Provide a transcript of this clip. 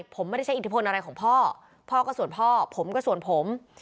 ผมไม่ได้ใช้อิทธิพลอะไรของพ่อพ่อก็ส่วนพ่อผมก็ส่วนผม